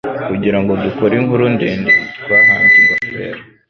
Kugirango dukore inkuru ndende, twahambye ingofero.